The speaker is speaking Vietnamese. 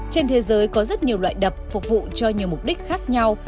trên thế giới có rất nhiều loại đập phục vụ cho nhiều mục đích khác nhau